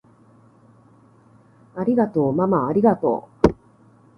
ありがとうままありがとう！